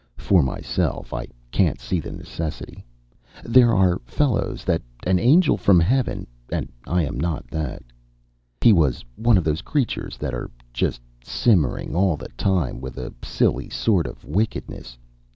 For myself I can't see the necessity. There are fellows that an angel from heaven And I am not that. He was one of those creatures that are just simmering all the time with a silly sort of wickedness.